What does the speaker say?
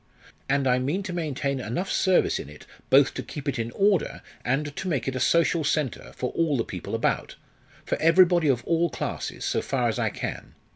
And I mean to maintain enough service in it both to keep it in order and to make it a social centre for all the people about for everybody of all classes, so far as I can.